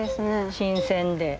新鮮で。